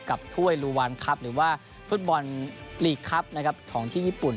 กับถ้วยครับหรือว่าฟุตบอลนะครับของที่ญี่ปุ่น